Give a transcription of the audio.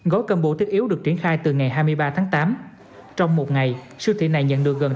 gói combo thiết yếu được triển khai từ ngày hai mươi ba tháng tám